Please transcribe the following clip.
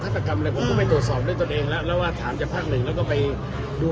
ตกรรมเลยผมก็ไปตรวจสอบด้วยตนเองแล้วแล้วว่าถามจากภาคหนึ่งแล้วก็ไปดู